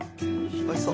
おいしそう。